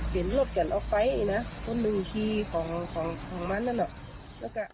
เห็นรถกันออกไปเนี้ยนะต้นมือที่ของของของมันนั่นน่ะแล้วก็